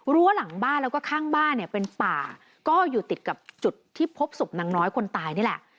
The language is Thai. หลังบ้านแล้วก็ข้างบ้านเนี่ยเป็นป่าก็อยู่ติดกับจุดที่พบศพนางน้อยคนตายนี่แหละ